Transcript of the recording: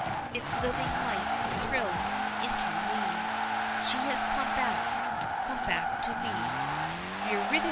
Its living light thrills into me; She has come back! come back to me Eurydice!